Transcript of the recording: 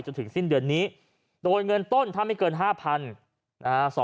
จนถึงสิ้นเดือนนี้โดยเงินต้นถ้าไม่เกิน๕๐๐นะฮะ